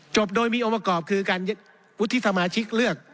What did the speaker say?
โดยมีองค์ประกอบคือการวุฒิสมาชิกเลือก